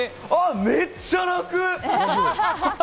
めっちゃ楽！